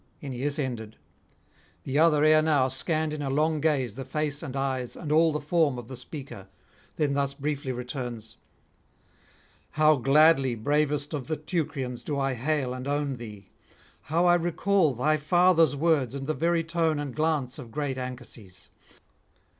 Aeneas ended. The other ere now scanned in a long gaze the face and eyes and all the form of the speaker; then thus briefly returns: 'How gladly, bravest of the Teucrians, do I hail and [155 188]own thee! how I recall thy father's words and the very tone and glance of great Anchises!